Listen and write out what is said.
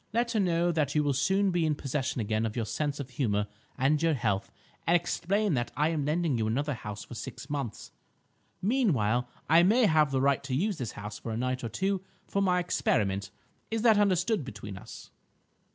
"Let her know that you will soon be in possession again of your sense of humour and your health, and explain that I am lending you another house for six months. Meanwhile I may have the right to use this house for a night or two for my experiment. Is that understood between us?"